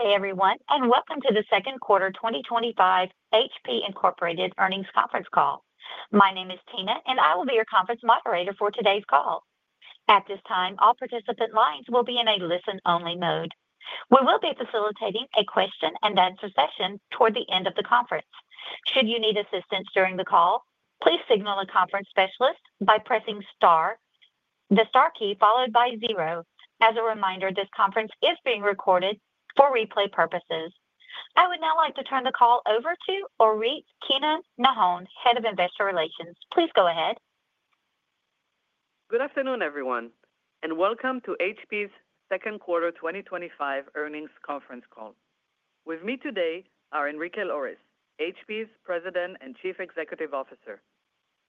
Today, everyone, and welcome to the second quarter 2025 HP Incorporated earnings conference call. My name is Tina, and I will be your conference moderator for today's call. At this time, all participant lines will be in a listen-only mode. We will be facilitating a question-and-answer session toward the end of the conference. Should you need assistance during the call, please signal a conference specialist by pressing the star key followed by zero. As a reminder, this conference is being recorded for replay purposes. I would now like to turn the call over to Orit Keinan-Nahon, Head of Investor Relations. Please go ahead. Good afternoon, everyone, and welcome to HP's second quarter 2025 earnings conference call. With me today are Enrique Lores, HP's President and Chief Executive Officer,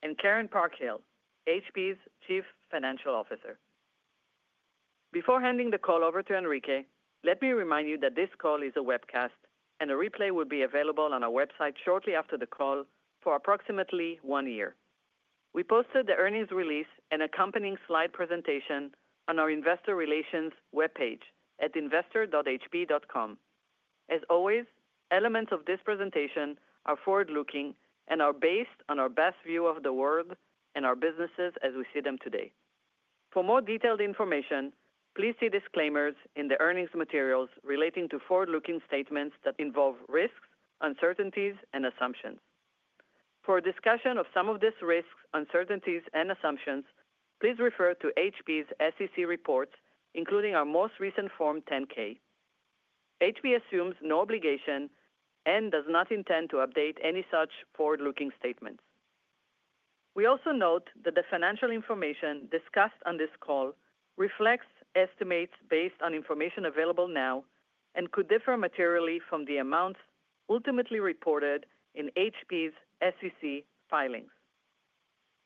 and Karen Parkhill, HP's Chief Financial Officer. Before handing the call over to Enrique, let me remind you that this call is a webcast, and a replay will be available on our website shortly after the call for approximately one year. We posted the earnings release and accompanying slide presentation on our Investor Relations web page at investor.hp.com. As always, elements of this presentation are forward-looking and are based on our best view of the world and our businesses as we see them today. For more detailed information, please see disclaimers in the earnings materials relating to forward-looking statements that involve risks, uncertainties, and assumptions. For discussion of some of these risks, uncertainties, and assumptions, please refer to HP's SEC reports, including our most recent Form 10-K. HP assumes no obligation and does not intend to update any such forward-looking statements. We also note that the financial information discussed on this call reflects estimates based on information available now and could differ materially from the amounts ultimately reported in HP's SEC filings.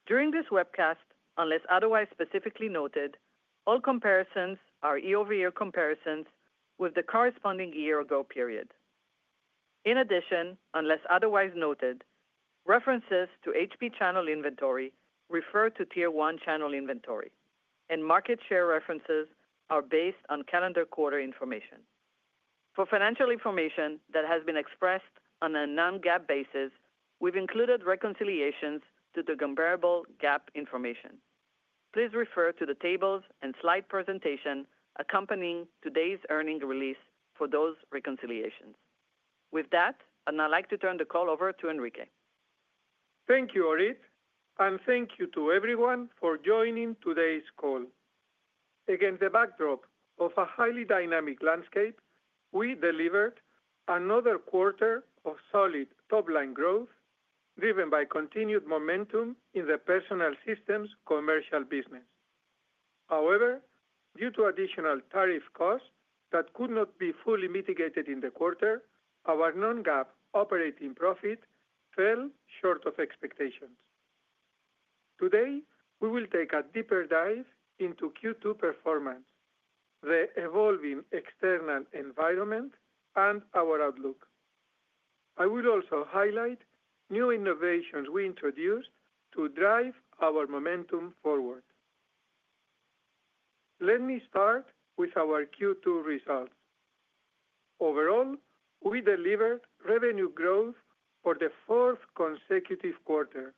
During this webcast, unless otherwise specifically noted, all comparisons are year-over-year comparisons with the corresponding year-ago period. In addition, unless otherwise noted, references to HP channel inventory refer to tier-one channel inventory, and market share references are based on calendar-quarter information. For financial information that has been expressed on a non-GAAP basis, we've included reconciliations to the comparable GAAP information. Please refer to the tables and slide presentation accompanying today's earnings release for those reconciliations. With that, I'd now like to turn the call over to Enrique. Thank you, Orit, and thank you to everyone for joining today's call. Against the backdrop of a highly dynamic landscape, we delivered another quarter of solid top-line growth driven by continued momentum in the personal systems commercial business. However, due to additional tariff costs that could not be fully mitigated in the quarter, our non-GAAP operating profit fell short of expectations. Today, we will take a deeper dive into Q2 performance, the evolving external environment, and our outlook. I will also highlight new innovations we introduced to drive our momentum forward. Let me start with our Q2 results. Overall, we delivered revenue growth for the fourth consecutive quarter,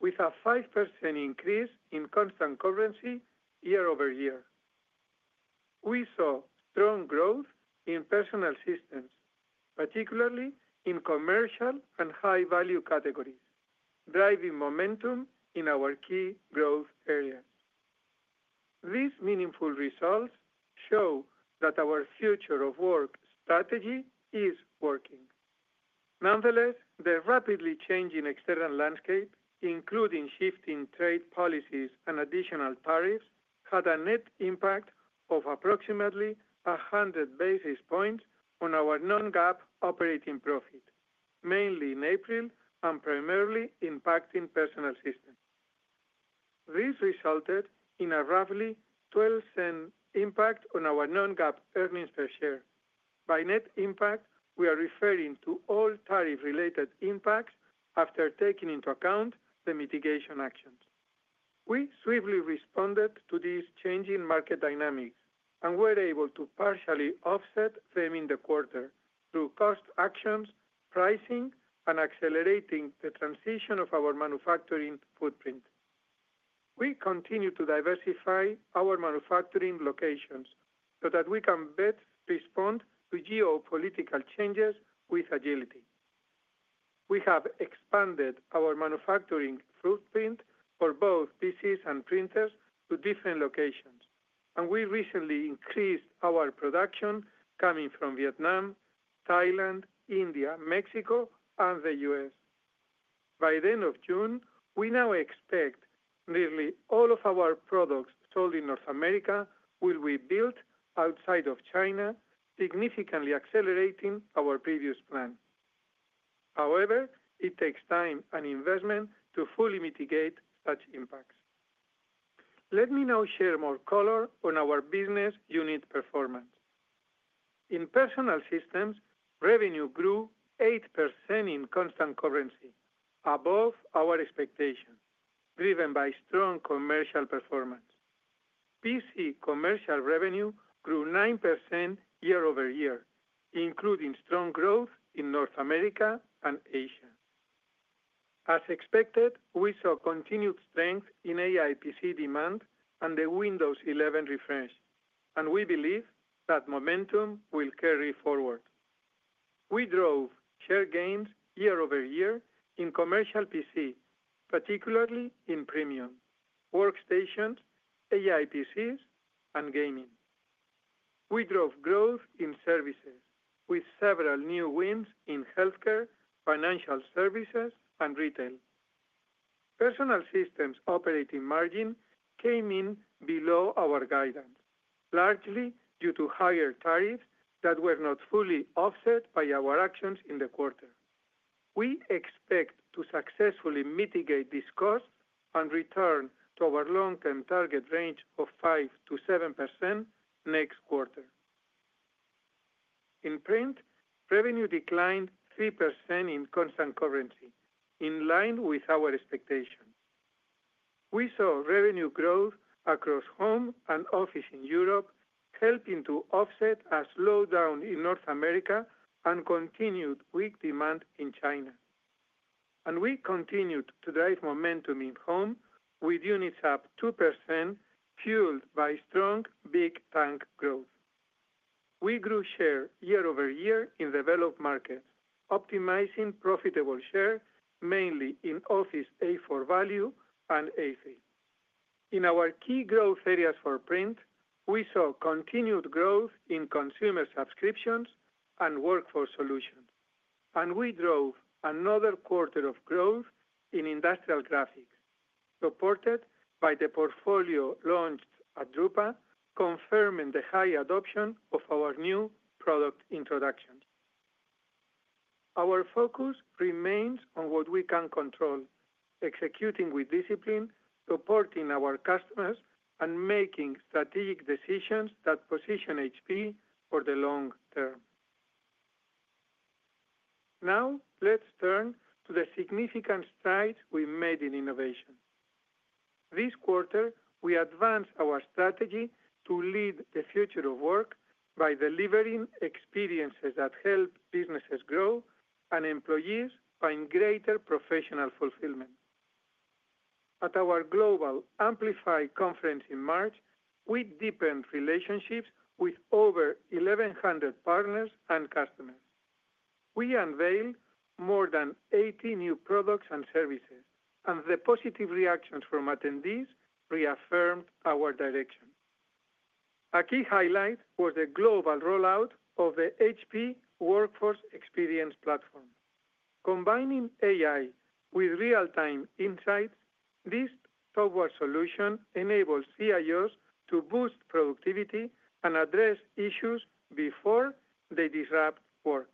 with a 5% increase in constant currency year-over-year. We saw strong growth in personal systems, particularly in commercial and high-value categories, driving momentum in our key growth areas. These meaningful results show that our future of work strategy is working. Nonetheless, the rapidly changing external landscape, including shifting trade policies and additional tariffs, had a net impact of approximately 100 basis points on our non-GAAP operating profit, mainly in April and primarily impacting personal systems. This resulted in a roughly 12% impact on our non-GAAP earnings per share. By net impact, we are referring to all tariff-related impacts after taking into account the mitigation actions. We swiftly responded to these changing market dynamics and were able to partially offset them in the quarter through cost actions, pricing, and accelerating the transition of our manufacturing footprint. We continue to diversify our manufacturing locations so that we can best respond to geopolitical changes with agility. We have expanded our manufacturing footprint for both PCs and printers to different locations, and we recently increased our production coming from Vietnam, Thailand, India, Mexico, and the U.S. By the end of June, we now expect nearly all of our products sold in North America will be built outside of China, significantly accelerating our previous plan. However, it takes time and investment to fully mitigate such impacts. Let me now share more color on our business unit performance. In Personal Systems, revenue grew 8% in constant currency, above our expectations, driven by strong commercial performance. PC commercial revenue grew 9% year-over-year, including strong growth in North America and Asia. As expected, we saw continued strength in AI PC demand and the Windows 11 refresh, and we believe that momentum will carry forward. We drove share gains year-over-year in commercial PC, particularly in premium, workstations, AI PCs, and gaming. We drove growth in services, with several new wins in healthcare, financial services, and retail. Personal systems operating margin came in below our guidance, largely due to higher tariffs that were not fully offset by our actions in the quarter. We expect to successfully mitigate these costs and return to our long-term target range of 5%-7% next quarter. In Print, revenue declined 3% in constant currency, in line with our expectations. We saw revenue growth across home and office in Europe, helping to offset a slowdown in North America and continued weak demand in China. We continued to drive momentum in home, with units up 2%, fueled by strong Big Tank growth. We grew share year-over-year in developed markets, optimizing profitable share mainly in office A4 value and A3. In our key growth areas for print, we saw continued growth in consumer subscriptions and workforce solutions, and we drove another quarter of growth in industrial graphics, supported by the portfolio launched at drupa, confirming the high adoption of our new product introduction. Our focus remains on what we can control, executing with discipline, supporting our customers, and making strategic decisions that position HP for the long term. Now, let's turn to the significant strides we made in innovation. This quarter, we advanced our strategy to lead the future of work by delivering experiences that help businesses grow and employees find greater professional fulfillment. At our global Amplify conference in March, we deepened relationships with over 1,100 partners and customers. We unveiled more than 80 new products and services, and the positive reactions from attendees reaffirmed our direction. A key highlight was the global rollout of the HP Workforce Experience Platform. Combining AI with real-time insights, this software solution enables CIOs to boost productivity and address issues before they disrupt work.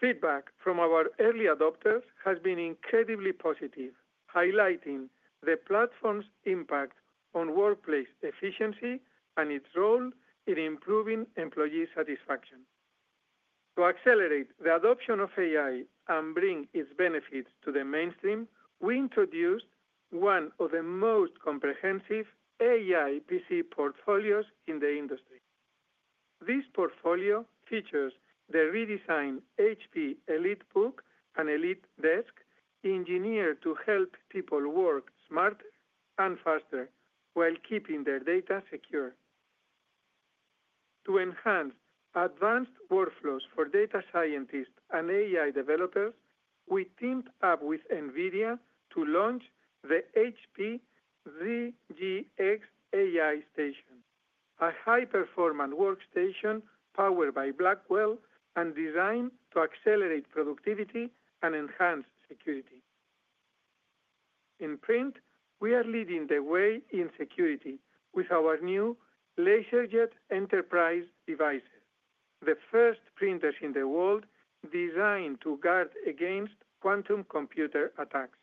Feedback from our early adopters has been incredibly positive, highlighting the platform's impact on workplace efficiency and its role in improving employee satisfaction. To accelerate the adoption of AI and bring its benefits to the mainstream, we introduced one of the most comprehensive AI PC portfolios in the industry. This portfolio features the redesigned HP EliteBook and EliteDesk, engineered to help people work smarter and faster while keeping their data secure. To enhance advanced workflows for data scientists and AI developers, we teamed up with NVIDIA to launch the HP ZGX AI Station, a high-performance workstation powered by Blackwell and designed to accelerate productivity and enhance security. In print, we are leading the way in security with our new LaserJet Enterprise devices, the first printers in the world designed to guard against quantum computer attacks.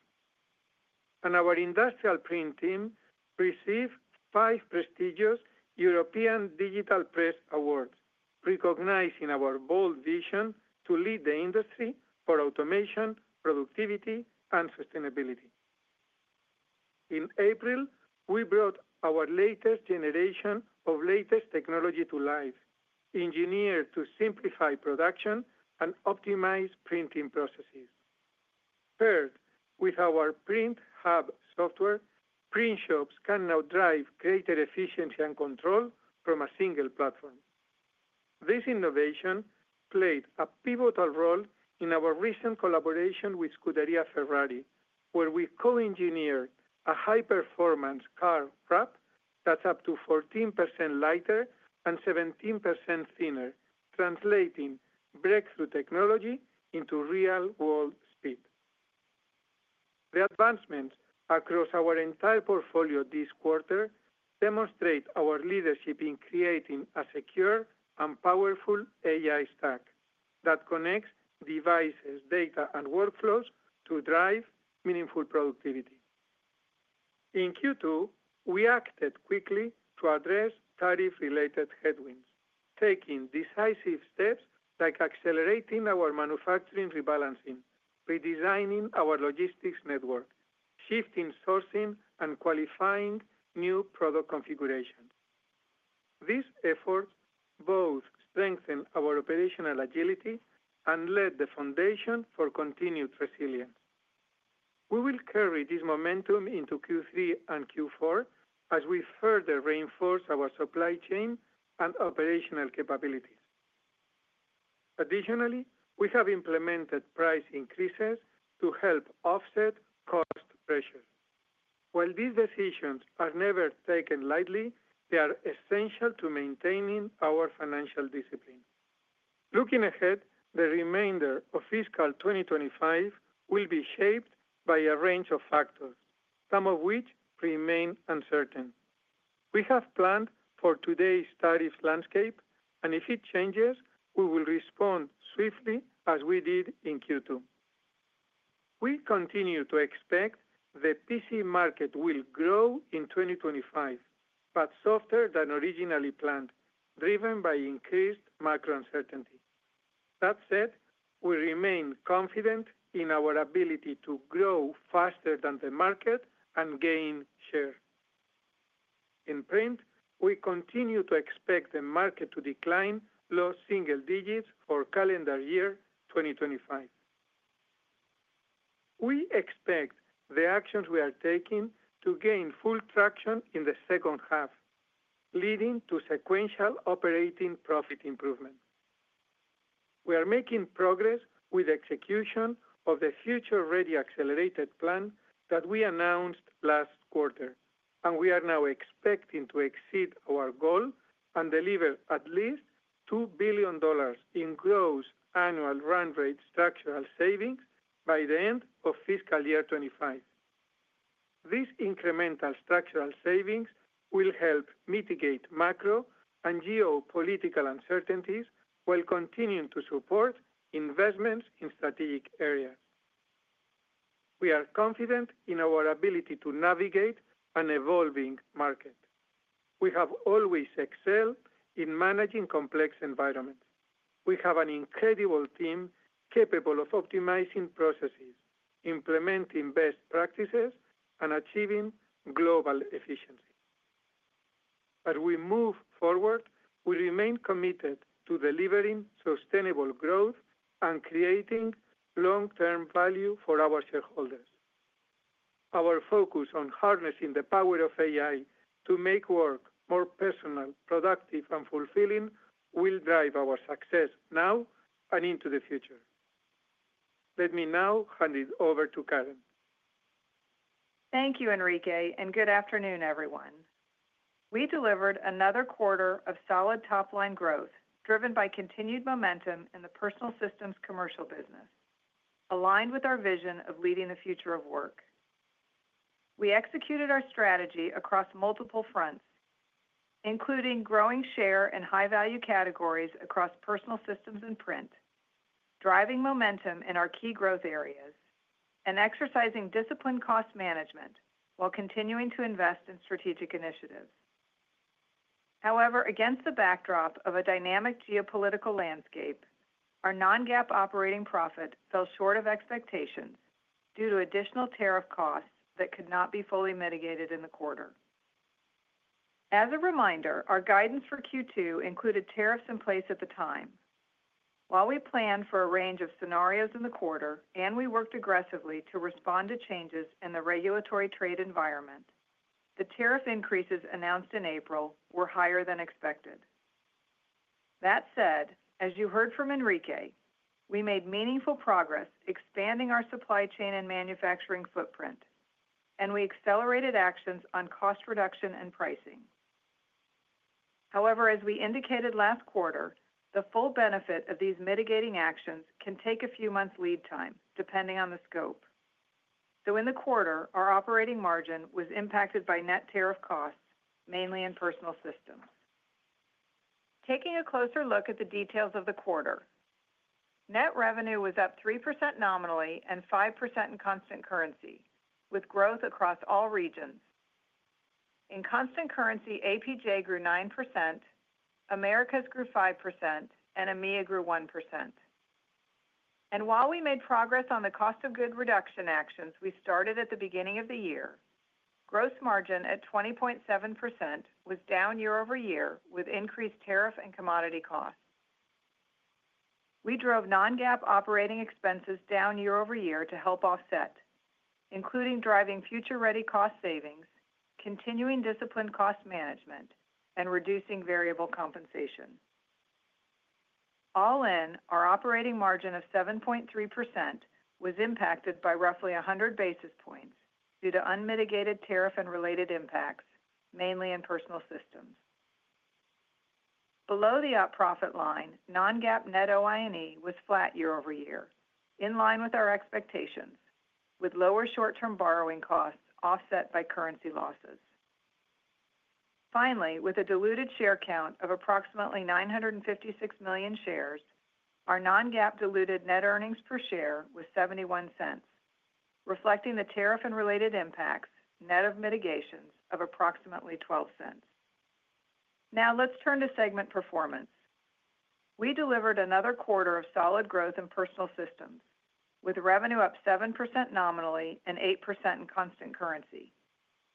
Our industrial print team received five prestigious European Digital Press awards, recognizing our bold vision to lead the industry for automation, productivity, and sustainability. In April, we brought our latest generation of technology to life, engineered to simplify production and optimize printing processes. Paired with our Print Hub software, print shops can now drive greater efficiency and control from a single platform. This innovation played a pivotal role in our recent collaboration with Scuderia Ferrari, where we co-engineered a high-performance car wrap that's up to 14% lighter and 17% thinner, translating breakthrough technology into real-world speed. The advancements across our entire portfolio this quarter demonstrate our leadership in creating a secure and powerful AI stack that connects devices, data, and workflows to drive meaningful productivity. In Q2, we acted quickly to address tariff-related headwinds, taking decisive steps like accelerating our manufacturing rebalancing, redesigning our logistics network, shifting sourcing, and qualifying new product configurations. These efforts both strengthened our operational agility and laid the foundation for continued resilience. We will carry this momentum into Q3 and Q4 as we further reinforce our supply chain and operational capabilities. Additionally, we have implemented price increases to help offset cost pressures. While these decisions are never taken lightly, they are essential to maintaining our financial discipline. Looking ahead, the remainder of fiscal 2025 will be shaped by a range of factors, some of which remain uncertain. We have planned for today's tariff landscape, and if it changes, we will respond swiftly as we did in Q2. We continue to expect the PC market will grow in 2025, but softer than originally planned, driven by increased macro uncertainty. That said, we remain confident in our ability to grow faster than the market and gain share. In Print, we continue to expect the market to decline low single digits for calendar year 2025. We expect the actions we are taking to gain full traction in the second half, leading to sequential operating profit improvement. We are making progress with the execution of the future-ready accelerated plan that we announced last quarter, and we are now expecting to exceed our goal and deliver at least $2 billion in gross annual run rate structural savings by the end of fiscal year 2025. These incremental structural savings will help mitigate macro and geopolitical uncertainties while continuing to support investments in strategic areas. We are confident in our ability to navigate an evolving market. We have always excelled in managing complex environments. We have an incredible team capable of optimizing processes, implementing best practices, and achieving global efficiency. As we move forward, we remain committed to delivering sustainable growth and creating long-term value for our shareholders. Our focus on harnessing the power of AI to make work more personal, productive, and fulfilling will drive our success now and into the future. Let me now hand it over to Karen. Thank you, Enrique, and good afternoon, everyone. We delivered another quarter of solid top-line growth driven by continued momentum in the personal systems commercial business, aligned with our vision of leading the future of work. We executed our strategy across multiple fronts, including growing share and high-value categories across personal systems and print, driving momentum in our key growth areas, and exercising disciplined cost management while continuing to invest in strategic initiatives. However, against the backdrop of a dynamic geopolitical landscape, our non-GAAP operating profit fell short of expectations due to additional tariff costs that could not be fully mitigated in the quarter. As a reminder, our guidance for Q2 included tariffs in place at the time. While we planned for a range of scenarios in the quarter and we worked aggressively to respond to changes in the regulatory trade environment, the tariff increases announced in April were higher than expected. That said, as you heard from Enrique, we made meaningful progress expanding our supply chain and manufacturing footprint, and we accelerated actions on cost reduction and pricing. However, as we indicated last quarter, the full benefit of these mitigating actions can take a few months' lead time, depending on the scope. During the quarter, our operating margin was impacted by net tariff costs, mainly in personal systems. Taking a closer look at the details of the quarter, net revenue was up 3% nominally and 5% in constant currency, with growth across all regions. In Constant Currency, APJ grew 9%, Americas grew 5%, and EMEA grew 1%. While we made progress on the cost of goods reduction actions we started at the beginning of the year, gross margin at 20.7% was down year-over-year with increased tariff and commodity costs. We drove non-GAAP operating expenses down year-over-year to help offset, including driving future-ready cost savings, continuing disciplined cost management, and reducing variable compensation. All in, our operating margin of 7.3% was impacted by roughly 100 basis points due to unmitigated tariff and related impacts, mainly in personal systems. Below the operating profit line, non-GAAP net OI&E was flat year-over-year, in line with our expectations, with lower short-term borrowing costs offset by currency losses. Finally, with a diluted share count of approximately 956 million shares, our non-GAAP diluted net earnings per share was $0.71, reflecting the tariff and related impacts net of mitigations of approximately $0.12. Now, let's turn to segment performance. We delivered another quarter of solid growth in personal systems, with revenue up 7% nominally and 8% in constant currency,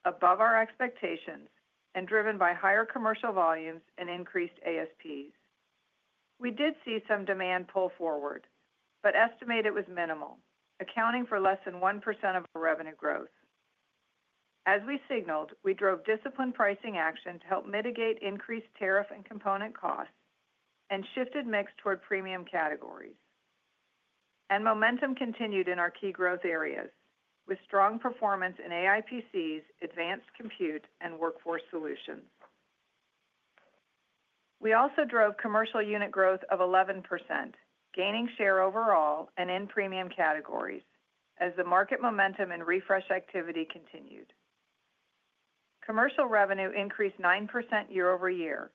above our expectations and driven by higher commercial volumes and increased ASPs. We did see some demand pull forward, but estimate it was minimal, accounting for less than 1% of our revenue growth. As we signaled, we drove disciplined pricing action to help mitigate increased tariff and component costs and shifted mix toward premium categories. Momentum continued in our key growth areas, with strong performance in AI PCs, advanced compute, and workforce solutions. We also drove commercial unit growth of 11%, gaining share overall and in premium categories as the market momentum and refresh activity continued. Commercial revenue increased 9% year-over-year,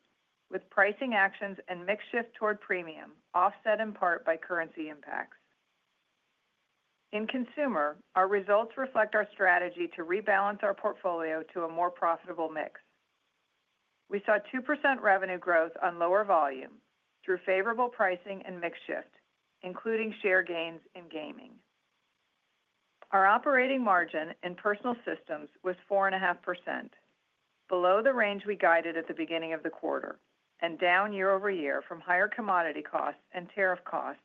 with pricing actions and mix shift toward premium offset in part by currency impacts. In Consumer, our results reflect our strategy to rebalance our portfolio to a more profitable mix. We saw 2% revenue growth on lower volume through favorable pricing and mix shift, including share gains in gaming. Our operating margin in personal systems was 4.5%, below the range we guided at the beginning of the quarter and down year-over-year from higher commodity costs and tariff costs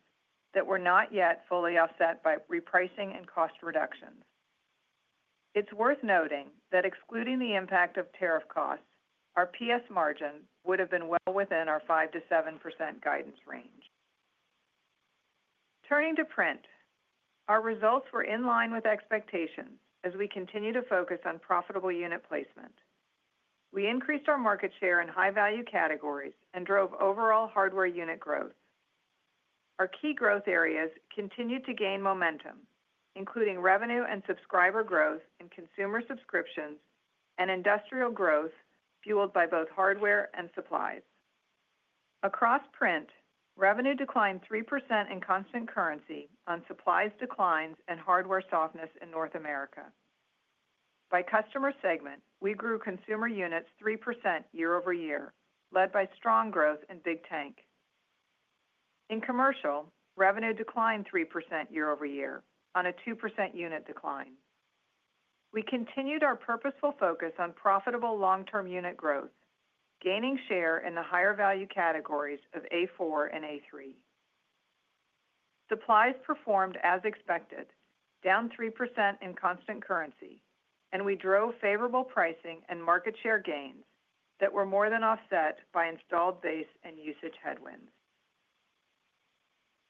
that were not yet fully offset by repricing and cost reductions. It's worth noting that excluding the impact of tariff costs, our PS margin would have been well within our 5-7% guidance range. Turning to print, our results were in line with expectations as we continue to focus on profitable unit placement. We increased our market share in high-value categories and drove overall hardware unit growth. Our key growth areas continued to gain momentum, including revenue and subscriber growth in consumer subscriptions and industrial growth fueled by both hardware and supplies. Across Print, revenue declined 3% in constant currency on supplies declines and hardware softness in North America. By customer segment, we grew consumer units 3% year-over-year, led by strong growth in Big Tank. In Commercial, revenue declined 3% year-over-year on a 2% unit decline. We continued our purposeful focus on profitable long-term unit growth, gaining share in the higher value categories of A4 and A3. Supplies performed as expected, down 3% in constant currency, and we drove favorable pricing and market share gains that were more than offset by installed base and usage headwinds.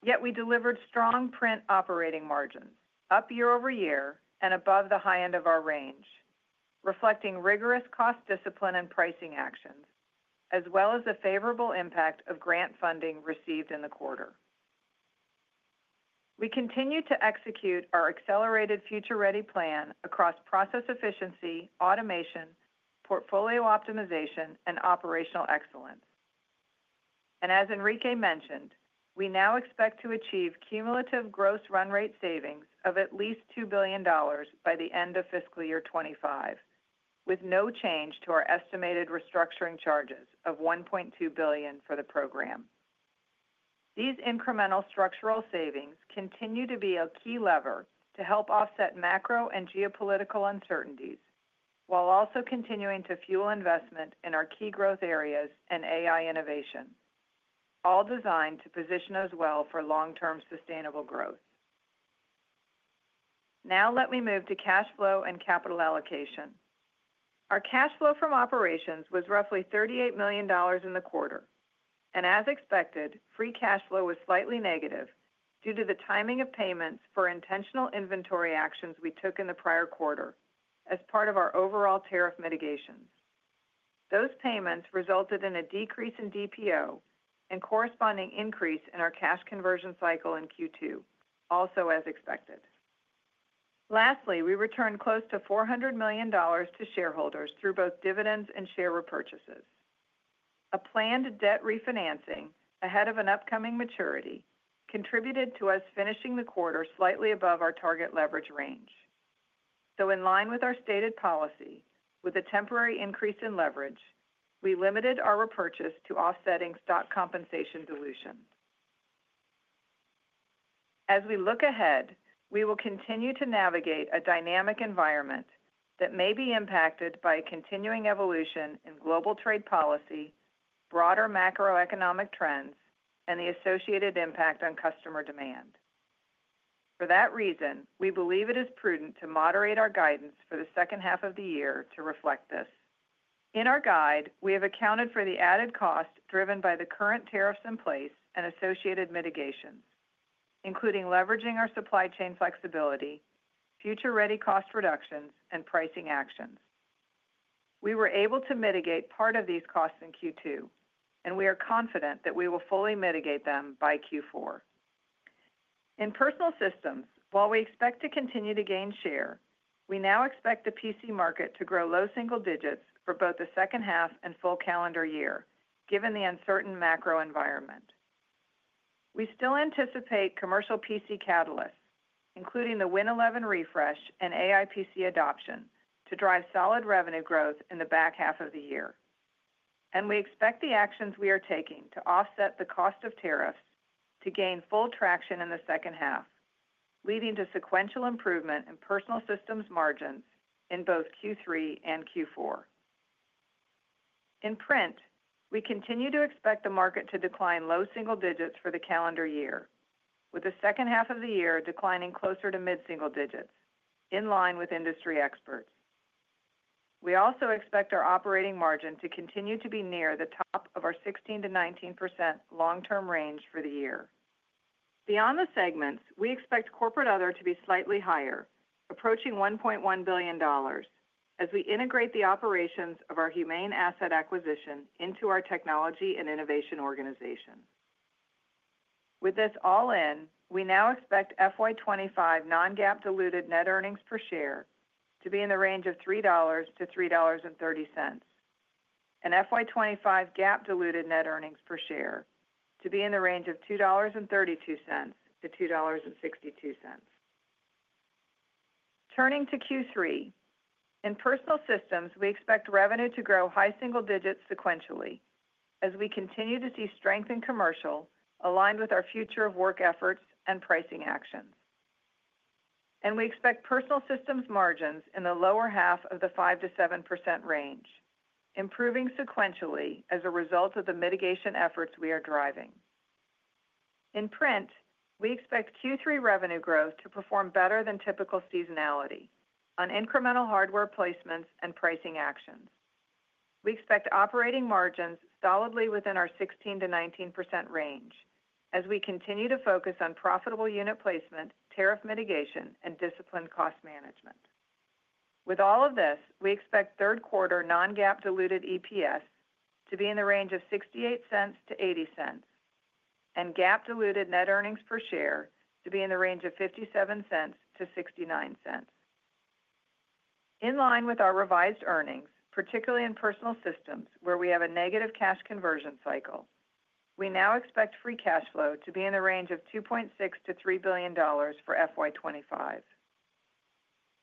Yet we delivered strong print operating margins, up year-over-year and above the high end of our range, reflecting rigorous cost discipline and pricing actions, as well as the favorable impact of grant funding received in the quarter. We continue to execute our accelerated future-ready plan across process efficiency, automation, portfolio optimization, and operational excellence. As Enrique mentioned, we now expect to achieve cumulative gross run rate savings of at least $2 billion by the end of fiscal year 2025, with no change to our estimated restructuring charges of $1.2 billion for the program. These incremental structural savings continue to be a key lever to help offset macro and geopolitical uncertainties, while also continuing to fuel investment in our key growth areas and AI innovation, all designed to position us well for long-term sustainable growth. Now let me move to cash flow and capital allocation. Our cash flow from operations was roughly $38 million in the quarter. As expected, free cash flow was slightly negative due to the timing of payments for intentional inventory actions we took in the prior quarter as part of our overall tariff mitigations. Those payments resulted in a decrease in DPO and corresponding increase in our cash conversion cycle in Q2, also as expected. Lastly, we returned close to $400 million to shareholders through both dividends and share repurchases. A planned debt refinancing ahead of an upcoming maturity contributed to us finishing the quarter slightly above our target leverage range. In line with our stated policy, with a temporary increase in leverage, we limited our repurchase to offsetting stock compensation dilution. As we look ahead, we will continue to navigate a dynamic environment that may be impacted by a continuing evolution in global trade policy, broader macroeconomic trends, and the associated impact on customer demand. For that reason, we believe it is prudent to moderate our guidance for the second half of the year to reflect this. In our guide, we have accounted for the added cost driven by the current tariffs in place and associated mitigations, including leveraging our supply chain flexibility, future-ready cost reductions, and pricing actions. We were able to mitigate part of these costs in Q2, and we are confident that we will fully mitigate them by Q4. In Personal Systems, while we expect to continue to gain share, we now expect the PC market to grow low single digits for both the second half and full calendar year, given the uncertain macro environment. We still anticipate commercial PC catalysts, including the Windows 11 refresh and AI PC adoption, to drive solid revenue growth in the back half of the year. We expect the actions we are taking to offset the cost of tariffs to gain full traction in the second half, leading to sequential improvement in personal systems margins in both Q3 and Q4. In Print, we continue to expect the market to decline low single digits for the calendar year, with the second half of the year declining closer to mid-single digits, in line with industry experts. We also expect our operating margin to continue to be near the top of our 16%-19% long-term range for the year. Beyond the segments, we expect corporate other to be slightly higher, approaching $1.1 billion, as we integrate the operations of our Humane Asset Acquisition into our technology and innovation organization. With this all in, we now expect FY 2025 non-GAAP diluted net earnings per share to be in the range of $3-$3.30, and FY 2025 GAAP diluted net earnings per share to be in the range of $2.32-$2.62. Turning to Q3, in personal systems, we expect revenue to grow high single digits sequentially as we continue to see strength in commercial aligned with our future of work efforts and pricing actions. We expect personal systems margins in the lower half of the 5%-7% range, improving sequentially as a result of the mitigation efforts we are driving. In Print, we expect Q3 revenue growth to perform better than typical seasonality on incremental hardware placements and pricing actions. We expect operating margins solidly within our 16%-19% range as we continue to focus on profitable unit placement, tariff mitigation, and disciplined cost management. With all of this, we expect third quarter non-GAAP diluted EPS to be in the range of $0.68-$0.80, and GAAP diluted net earnings per share to be in the range of $0.57-$0.69. In line with our revised earnings, particularly in personal systems where we have a negative cash conversion cycle, we now expect free cash flow to be in the range of $2.6-$3 billion for FY2025.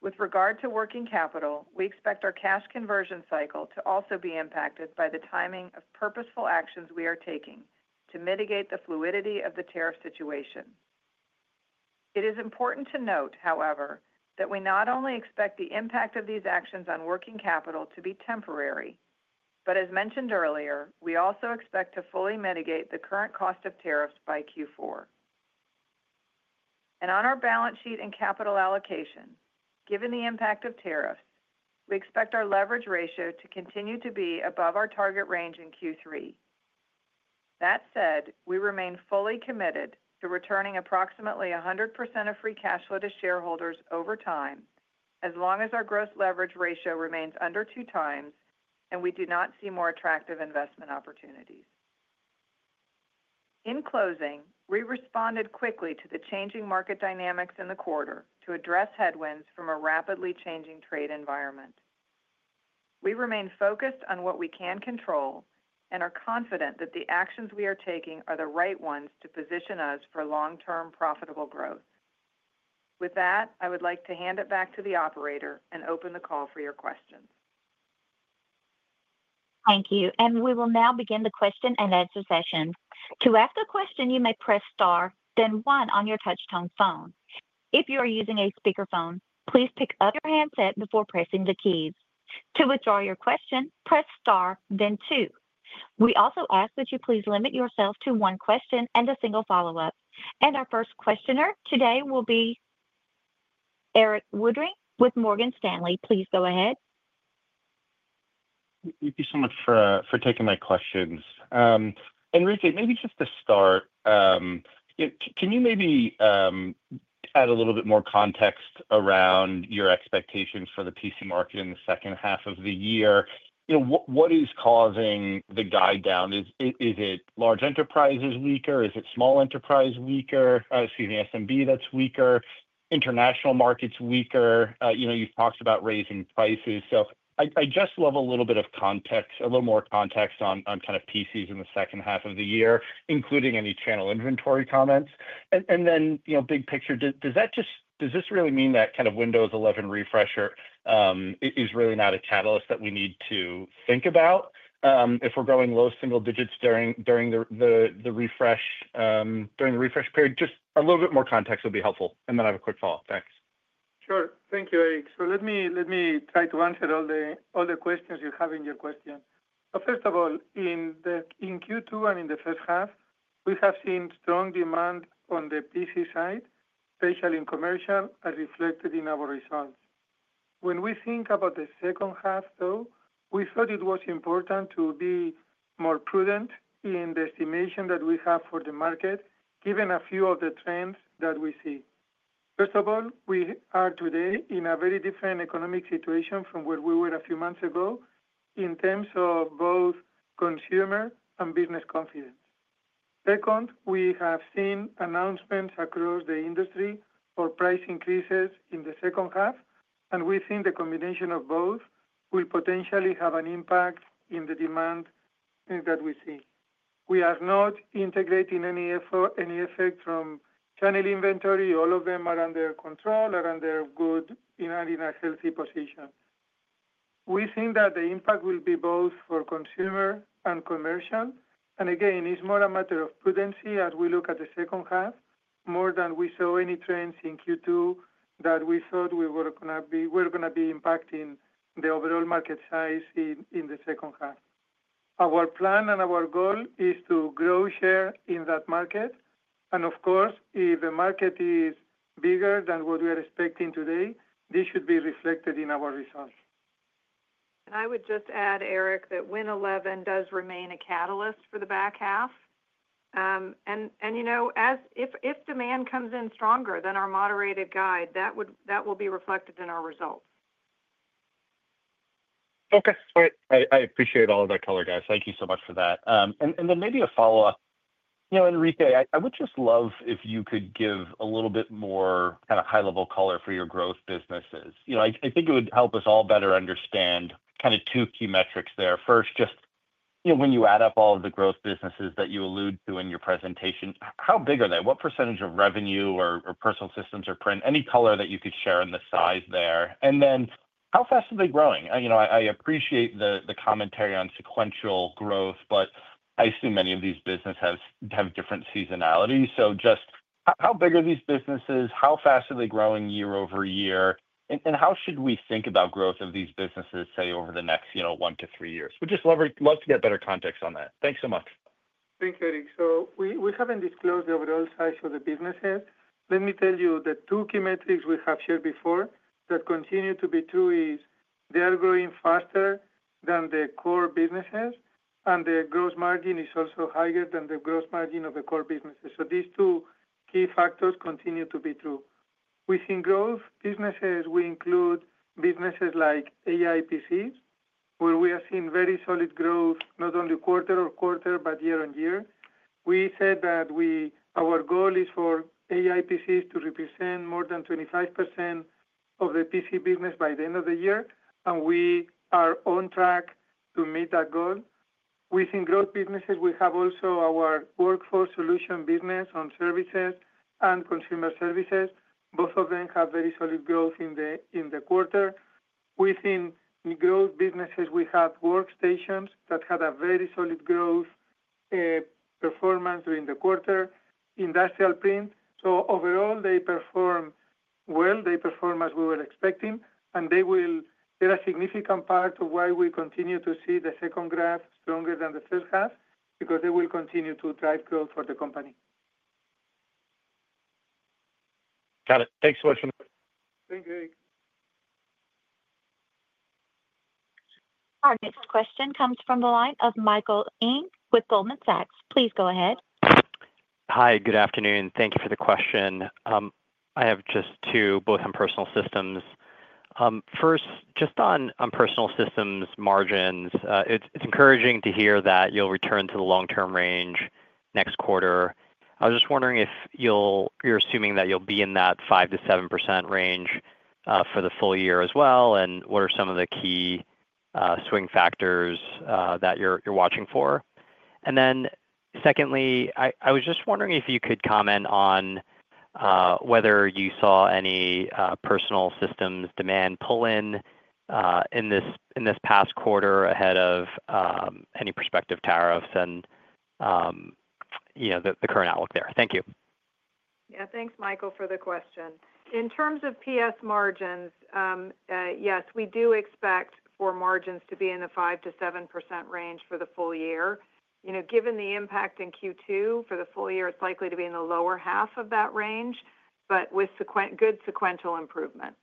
With regard to working capital, we expect our cash conversion cycle to also be impacted by the timing of purposeful actions we are taking to mitigate the fluidity of the tariff situation. It is important to note, however, that we not only expect the impact of these actions on working capital to be temporary, but as mentioned earlier, we also expect to fully mitigate the current cost of tariffs by Q4. On our balance sheet and capital allocation, given the impact of tariffs, we expect our leverage ratio to continue to be above our target range in Q3. That said, we remain fully committed to returning approximately 100% of free cash flow to shareholders over time, as long as our gross leverage ratio remains under two times and we do not see more attractive investment opportunities. In closing, we responded quickly to the changing market dynamics in the quarter to address headwinds from a rapidly changing trade environment. We remain focused on what we can control and are confident that the actions we are taking are the right ones to position us for long-term profitable growth. With that, I would like to hand it back to the operator and open the call for your questions. Thank you. We will now begin the question and answer session. To ask a question, you may press star, then one on your touch-tone phone. If you are using a speakerphone, please pick up your handset before pressing the keys. To withdraw your question, press star, then two. We also ask that you please limit yourself to one question and a single follow-up. Our first questioner today will be Erik Woodring with Morgan Stanley. Please go ahead. Thank you so much for taking my questions. Enrique, maybe just to start, can you maybe add a little bit more context around your expectations for the PC market in the second half of the year? What is causing the guide down? Is it large enterprises weaker? Is it small enterprise weaker? Excuse me, SMB that is weaker? International markets weaker? You have talked about raising prices. I just love a little bit of context, a little more context on kind of PCs in the second half of the year, including any channel inventory comments. Big picture, does that just really mean that kind of Windows 11 refresher is really not a catalyst that we need to think about if we're going low single digits during the refresh period? A little bit more context would be helpful. I have a quick follow-up. Thanks. Sure. Thank you, Erik. Let me try to answer all the questions you have in your question. First of all, in Q2 and in the first half, we have seen strong demand on the PC side, especially in commercial, as reflected in our results. When we think about the second half, though, we thought it was important to be more prudent in the estimation that we have for the market, given a few of the trends that we see. First of all, we are today in a very different economic situation from where we were a few months ago in terms of both consumer and business confidence. Second, we have seen announcements across the industry for price increases in the second half, and we think the combination of both will potentially have an impact in the demand that we see. We are not integrating any effort from channel inventory. All of them are under control, are under good, in a healthy position. We think that the impact will be both for consumer and commercial. It is more a matter of prudency as we look at the second half more than we saw any trends in Q2 that we thought were going to be impacting the overall market size in the second half. Our plan and our goal is to grow share in that market. Of course, if the market is bigger than what we are expecting today, this should be reflected in our results. I would just add, Erik, that Windows 11 does remain a catalyst for the back half. If demand comes in stronger than our moderated guide, that will be reflected in our results. Okay. Great. I appreciate all of that color, guys. Thank you so much for that. Maybe a follow-up. Enrique, I would just love if you could give a little bit more kind of high-level color for your growth businesses. I think it would help us all better understand kind of two key metrics there. First, just when you add up all of the growth businesses that you allude to in your presentation, how big are they? What percentage of revenue or personal systems or print? Any color that you could share in the size there. And then how fast are they growing? I appreciate the commentary on sequential growth, but I assume many of these businesses have different seasonalities. Just how big are these businesses? How fast are they growing year over year? How should we think about growth of these businesses, say, over the next one to three years? We'd just love to get better context on that. Thanks so much. Thank you, Erik. We haven't disclosed the overall size of the businesses. Let me tell you the two key metrics we have shared before that continue to be true is they are growing faster than the core businesses, and the gross margin is also higher than the gross margin of the core businesses. These two key factors continue to be true. Within growth businesses, we include businesses like AI PCs, where we have seen very solid growth, not only quarter over quarter, but year on year. We said that our goal is for AI PCs to represent more than 25% of the PC business by the end of the year, and we are on track to meet that goal. Within growth businesses, we have also our workforce solution business on services and consumer services. Both of them have very solid growth in the quarter. Within growth businesses, we have workstations that had a very solid growth performance during the quarter, industrial print. Overall, they perform well. They perform as we were expecting, and they will be a significant part of why we continue to see the second half stronger than the first half, because they will continue to drive growth for the company. Got it. Thanks so much. Thank you, Erik. Our next question comes from the line of Michael Ng with Goldman Sachs. Please go ahead. Hi. Good afternoon. Thank you for the question. I have just two, both on personal systems. First, just on personal systems margins, it's encouraging to hear that you'll return to the long-term range next quarter. I was just wondering if you're assuming that you'll be in that 5-7% range for the full year as well, and what are some of the key swing factors that you're watching for? And then secondly, I was just wondering if you could comment on whether you saw any personal systems demand pull-in in this past quarter ahead of any prospective tariffs and the current outlook there. Thank you. Yeah. Thanks, Michael, for the question. In terms of PS margins, yes, we do expect for margins to be in the 5-7% range for the full year. Given the impact in Q2 for the full year, it's likely to be in the lower half of that range, but with good sequential improvement.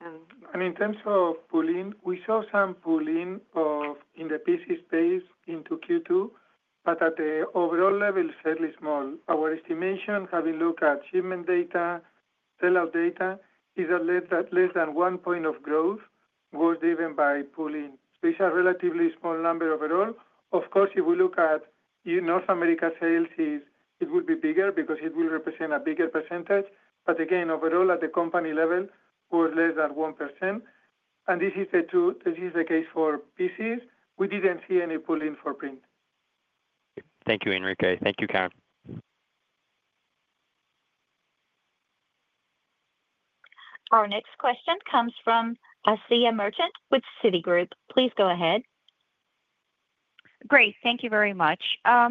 I mean, in terms of pull-in, we saw some pull-in in the PC space into Q2, but at the overall level, it's fairly small. Our estimation, having looked at shipment data, sellout data, is that less than one point of growth was driven by pull-in. So it's a relatively small number overall. Of course, if we look at North America sales, it would be bigger because it will represent a bigger percentage. Again, overall, at the company level, it was less than 1%. This is the case for PCs. We did not see any pull-in for print. Thank you, Enrique. Thank you, Karen. Our next question comes from Asiya Merchant with Citigroup. Please go ahead. Great. Thank you very much. A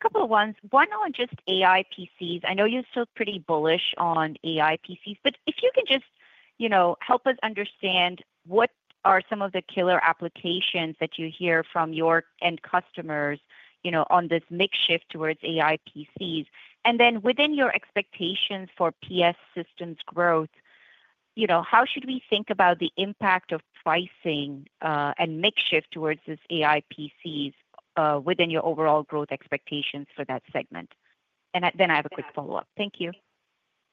couple of ones. One on just AI PCs. I know you are still pretty bullish on AI PCs, but if you can just help us understand what are some of the killer applications that you hear from your end customers on this makeshift towards AI PCs. Within your expectations for PS systems growth, how should we think about the impact of pricing and makeshift towards these AI PCs within your overall growth expectations for that segment? I have a quick follow-up. Thank you.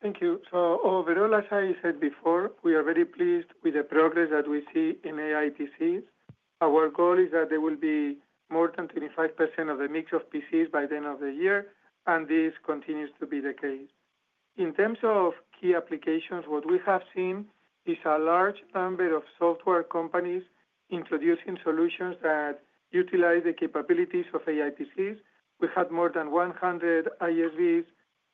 Thank you. Overall, as I said before, we are very pleased with the progress that we see in AI PCs. Our goal is that there will be more than 25% of the mix of PCs by the end of the year, and this continues to be the case. In terms of key applications, what we have seen is a large number of software companies introducing solutions that utilize the capabilities of AI PCs. We have more than 100 ISVs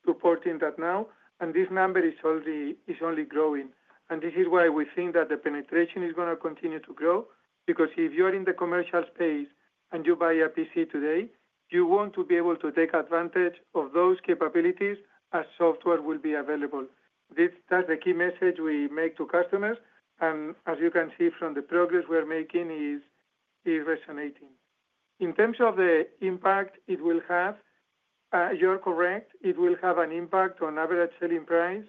supporting that now, and this number is only growing. This is why we think that the penetration is going to continue to grow, because if you are in the commercial space and you buy a PC today, you want to be able to take advantage of those capabilities as software will be available. That is the key message we make to customers. As you can see from the progress we are making, it is resonating. In terms of the impact it will have, you're correct, it will have an impact on average selling price.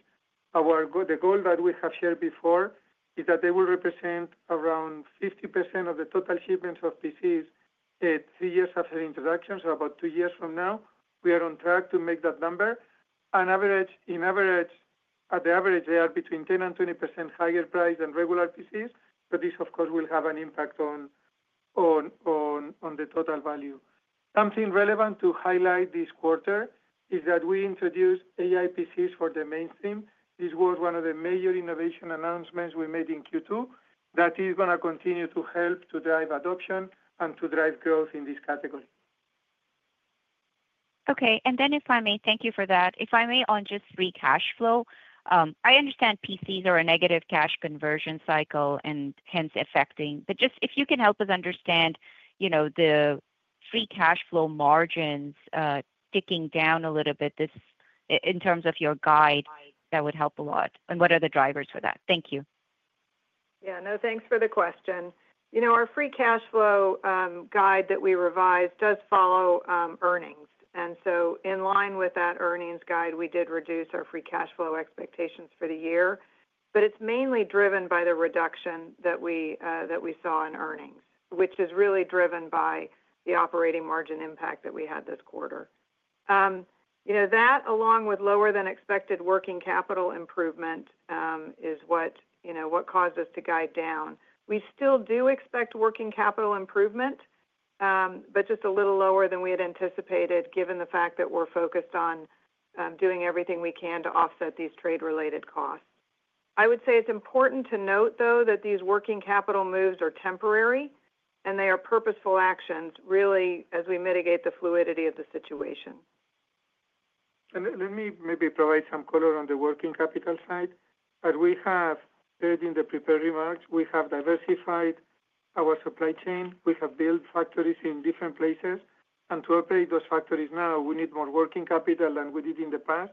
The goal that we have shared before is that they will represent around 50% of the total shipments of PCs three years after introduction, so about two years from now. We are on track to make that number. On average, they are between 10-20% higher price than regular PCs, but this, of course, will have an impact on the total value. Something relevant to highlight this quarter is that we introduced AI PCs for the mainstream. This was one of the major innovation announcements we made in Q2 that is going to continue to help to drive adoption and to drive growth in this category. Okay. If I may, thank you for that. If I may, on just free cash flow, I understand PCs are a negative cash conversion cycle and hence affecting, but just if you can help us understand the free cash flow margins ticking down a little bit in terms of your guide, that would help a lot. What are the drivers for that? Thank you. Yeah. No, thanks for the question. Our free cash flow guide that we revised does follow earnings. In line with that earnings guide, we did reduce our free cash flow expectations for the year, but it is mainly driven by the reduction that we saw in earnings, which is really driven by the operating margin impact that we had this quarter. That, along with lower than expected working capital improvement, is what caused us to guide down. We still do expect working capital improvement, but just a little lower than we had anticipated, given the fact that we're focused on doing everything we can to offset these trade-related costs. I would say it's important to note, though, that these working capital moves are temporary, and they are purposeful actions, really, as we mitigate the fluidity of the situation. Let me maybe provide some color on the working capital side. As we have said in the prepared remarks, we have diversified our supply chain. We have built factories in different places. To operate those factories now, we need more working capital than we did in the past.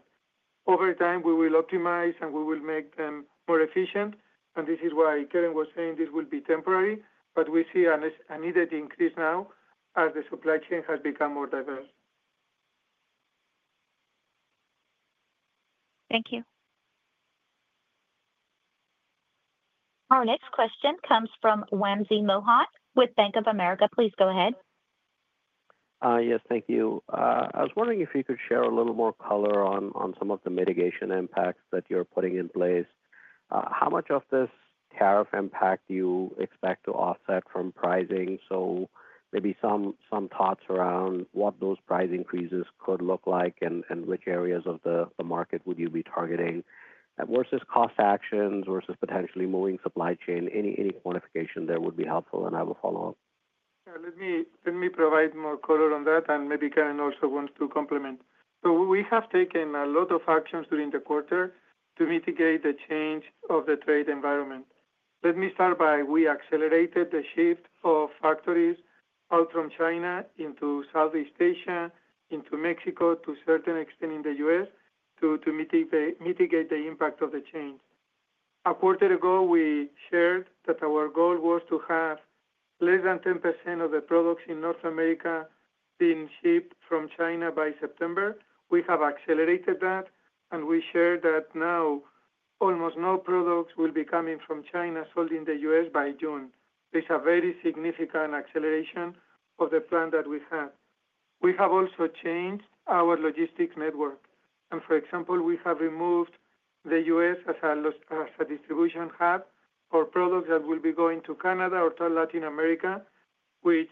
Over time, we will optimize, and we will make them more efficient. This is why Karen was saying this will be temporary, but we see an immediate increase now as the supply chain has become more diverse. Thank you. Our next question comes from Wamsi Mohan with Bank of America. Please go ahead. Yes. Thank you. I was wondering if you could share a little more color on some of the mitigation impacts that you're putting in place. How much of this tariff impact do you expect to offset from pricing? Maybe some thoughts around what those price increases could look like and which areas of the market you would be targeting versus cost actions versus potentially moving supply chain. Any quantification there would be helpful, and I will follow up. Let me provide more color on that, and maybe Karen also wants to complement. We have taken a lot of actions during the quarter to mitigate the change of the trade environment. Let me start by we accelerated the shift of factories out from China into Southeast Asia, into Mexico, to a certain extent in the U.S., to mitigate the impact of the change. A quarter ago, we shared that our goal was to have less than 10% of the products in North America being shipped from China by September. We have accelerated that, and we shared that now almost no products will be coming from China sold in the U.S. by June. There is a very significant acceleration of the plan that we had. We have also changed our logistics network. For example, we have removed the U.S. as a distribution hub for products that will be going to Canada or Latin America, which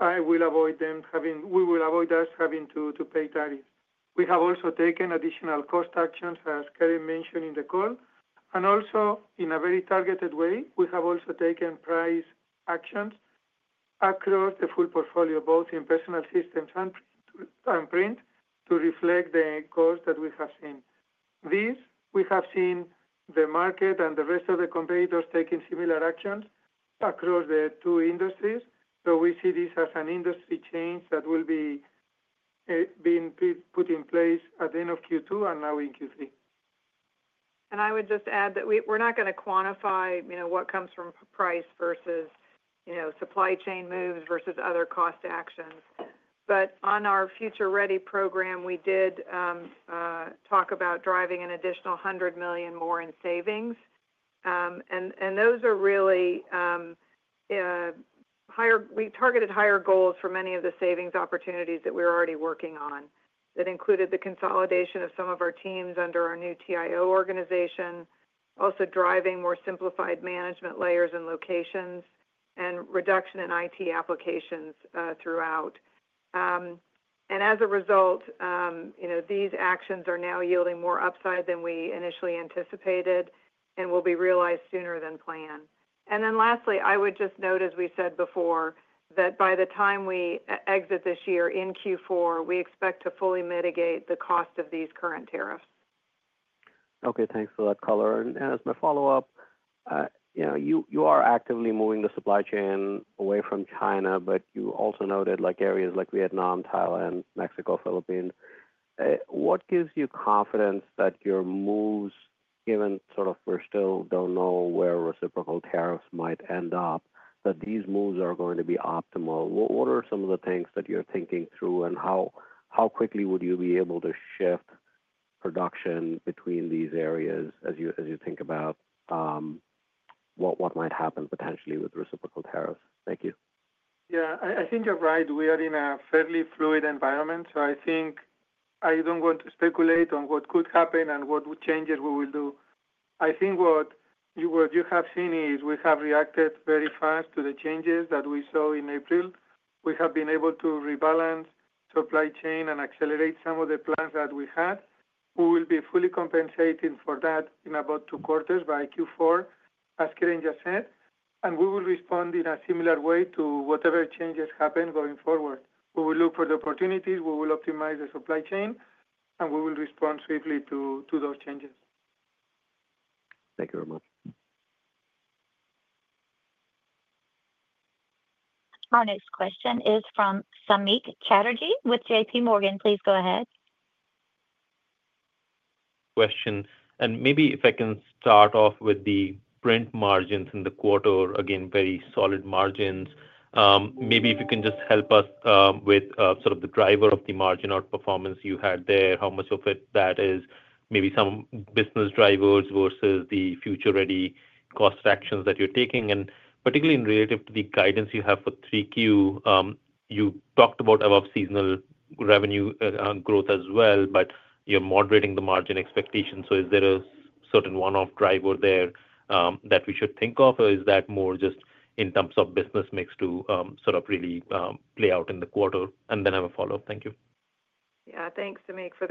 will avoid them having we will avoid us having to pay tariffs. We have also taken additional cost actions, as Karen mentioned in the call. Also, in a very targeted way, we have also taken price actions across the full portfolio, both in personal systems and print, to reflect the growth that we have seen. We have seen the market and the rest of the competitors taking similar actions across the two industries. We see this as an industry change that will be put in place at the end of Q2 and now in Q3. I would just add that we're not going to quantify what comes from price versus supply chain moves versus other cost actions. On our Future Ready program, we did talk about driving an additional $100 million more in savings. Those are really higher, we targeted higher goals for many of the savings opportunities that we were already working on. That included the consolidation of some of our teams under our new TIO organization, also driving more simplified management layers and locations, and reduction in IT applications throughout. As a result, these actions are now yielding more upside than we initially anticipated and will be realized sooner than planned. Lastly, I would just note, as we said before, that by the time we exit this year in Q4, we expect to fully mitigate the cost of these current tariffs. Okay. Thanks for that color. As my follow-up, you are actively moving the supply chain away from China, but you also noted areas like Vietnam, Thailand, Mexico, Philippines. What gives you confidence that your moves, given sort of we still don't know where reciprocal tariffs might end up, that these moves are going to be optimal? What are some of the things that you're thinking through, and how quickly would you be able to shift production between these areas as you think about what might happen potentially with reciprocal tariffs? Thank you. Yeah. I think you're right. We are in a fairly fluid environment, so I think I don't want to speculate on what could happen and what changes we will do. I think what you have seen is we have reacted very fast to the changes that we saw in April. We have been able to rebalance supply chain and accelerate some of the plans that we had. We will be fully compensating for that in about two quarters by Q4, as Karen just said. We will respond in a similar way to whatever changes happen going forward. We will look for the opportunities, we will optimize the supply chain, and we will respond swiftly to those changes. Thank you very much. Our next question is from Samik Chatterjee with JP Morgan. Please go ahead. Question. Maybe if I can start off with the print margins in the quarter, again, very solid margins. Maybe if you can just help us with sort of the driver of the margin outperformance you had there, how much of it that is, maybe some business drivers versus the Future Ready cost actions that you're taking. Particularly in relative to the guidance you have for 3Q, you talked about above seasonal revenue growth as well, but you're moderating the margin expectations. Is there a certain one-off driver there that we should think of, or is that more just in terms of business mix to sort of really play out in the quarter? I have a follow-up. Thank you. Yeah. Thanks, Samik.